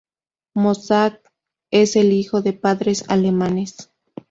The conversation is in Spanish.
Mossack es el hijo de padres alemanes.